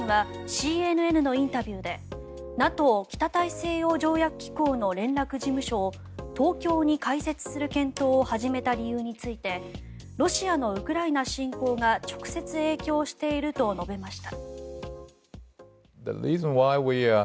林外務大臣はＣＮＮのインタビューでＮＡＴＯ・北大西洋条約機構の連絡事務所を東京に開設する検討を始めた理由についてロシアのウクライナ侵攻が直接影響していると述べました。